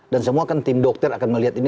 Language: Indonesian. dan semua kan tim dokter akan melihat ini